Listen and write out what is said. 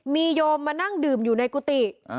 มีโยมมานั่งดื่มอยู่ในกุฏิ